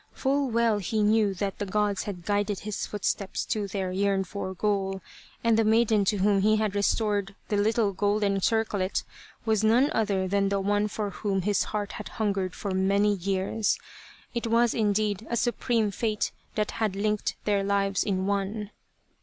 Full well he knew that the Gods had guided his footsteps to their yearned for goal, and the maiden to whom he had restored the little golden circlet, was none other than the one for whom his heart had hungered for many years. It was, indeed, a supreme Fate that had linked their lives in one.